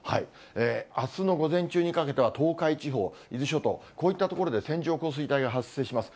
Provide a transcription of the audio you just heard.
あすの午前中にかけては東海地方、伊豆諸島、こういった所で線状降水帯が発生します。